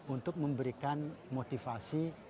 untuk memberikan motivasi